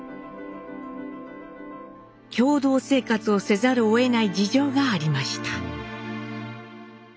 共同生活をせざるをえない事情がありました。